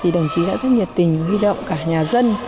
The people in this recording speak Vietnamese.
đồng chí đã rất nhiệt tình huy động cả nhà dân